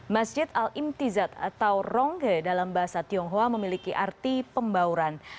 masjid al imtizat atau rongge dalam bahasa tionghoa memiliki arti pembauran